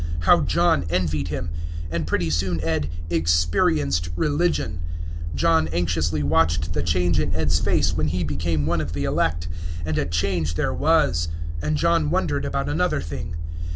How John envied him! And pretty soon Ed "experienced religion." John anxiously watched the change in Ed's face when he became one of the elect. And a change there was. And John wondered about another thing.